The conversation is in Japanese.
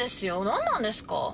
何なんですか？